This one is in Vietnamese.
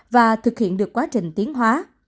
và thực hiện được quá trình tiến hóa